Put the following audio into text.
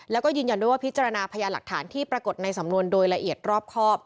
แล้วก็ยืนยันด้วยว่าพิจารณาพยานหลักฐานที่ปรากฏในสำนวนโดยละเอียดรอบครอบ